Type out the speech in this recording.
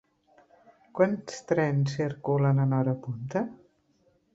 Quants trens circulen en hora punta?